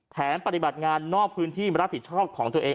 ปฏิบัติงานนอกพื้นที่รับผิดชอบของตัวเอง